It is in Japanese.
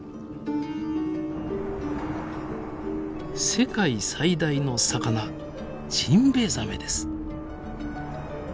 世界最大の魚ジンベエザメです！